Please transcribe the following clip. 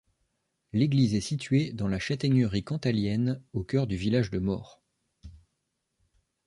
L'église est située dans la Châtaigneraie cantalienne, au chœur du village de Maurs.